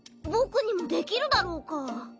僕にもできるだろうか？